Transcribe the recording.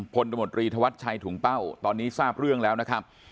ตมตรีธวัชชัยถุงเป้าตอนนี้ทราบเรื่องแล้วนะครับ